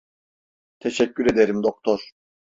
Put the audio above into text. Teşekkür ederim doktor…